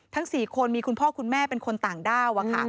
๔คนมีคุณพ่อคุณแม่เป็นคนต่างด้าว